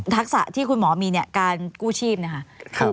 ทักษะที่คุณหมอมีการกู้ชีพจัง